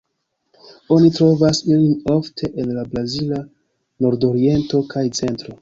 Oni trovas ilin ofte en la brazila nordoriento kaj centro.